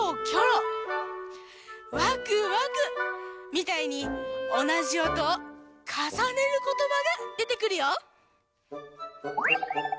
みたいにおなじおとをかさねることばがでてくるよ。